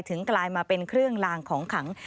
กลายมาเป็นเครื่องลางของขัง